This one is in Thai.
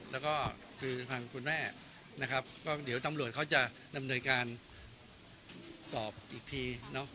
แล้วก็คือทางคุณแม่นะครับก็เดี๋ยวตำรวจเขาจะดำเนินการสอบอีกทีเนาะ